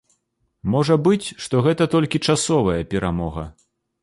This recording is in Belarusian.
Можа быць, што гэта толькі часовая перамога.